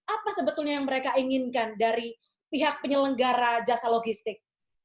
apa sebetulnya yang mereka inginkan dari pihak penyelenggara jasa logistik